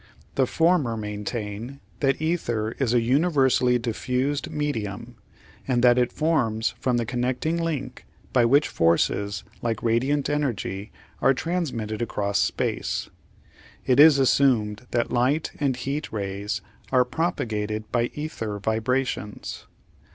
The former maintain that ether is a universally diffused medium and that it forms the connecting link by which forces like radiant energy are transmitted across space. It is assumed that light and heat rays are propagated by ether vibrations.